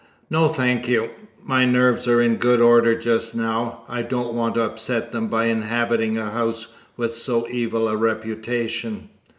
"No, thank you. My nerves are in good order just now; I don't want to upset them by inhabiting a house with so evil a reputation."